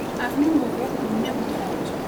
Avenue Moreau au numéro trente